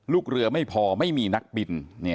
ลูกเรือไม่พอไม่มีนักบิน